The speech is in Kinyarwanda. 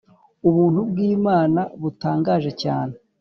Ubuntu bw’Imana butangaje cyane